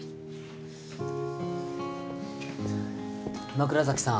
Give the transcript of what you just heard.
枕崎さん